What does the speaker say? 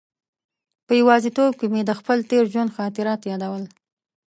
په یوازې توب کې مې د خپل تېر ژوند خاطرات یادول.